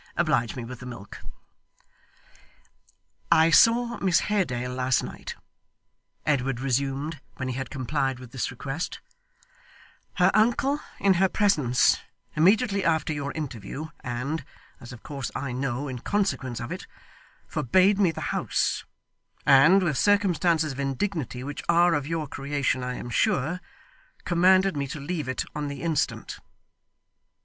Oblige me with the milk.' 'I saw Miss Haredale last night,' Edward resumed, when he had complied with this request; 'her uncle, in her presence, immediately after your interview, and, as of course I know, in consequence of it, forbade me the house, and, with circumstances of indignity which are of your creation I am sure, commanded me to leave it on the instant.